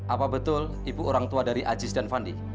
apa betul ibu orang tua dari ajiis dan pandi